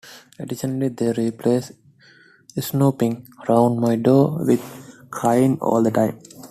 Additionally, they replaced "Snoopin' 'round my door" with "cryin' all the time".